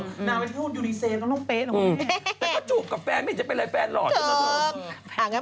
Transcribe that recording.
นางไปที่ภูมิดูดีเซมต้องเป๊ะลงไป